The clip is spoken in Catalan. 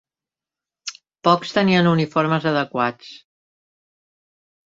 Pocs tenien uniformes adequats.